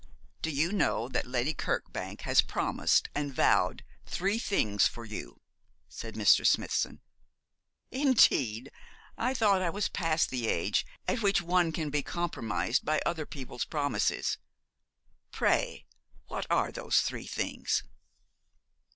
'Do you know that Lady Kirkbank has promised and vowed three things for you?' said Mr. Smithson. 'Indeed! I thought I was past the age at which one can be compromised by other people's promises. Pray what are those three things?'